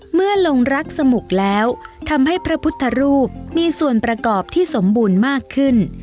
เมื่อลงรักสมุกแล้วทำให้พระพุทธรูปมีส่วนประกอบที่สมบูรณ์มากขึ้น